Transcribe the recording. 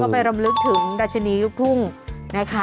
ไปรำลึกถึงดัชนีรุ่งพุ่ง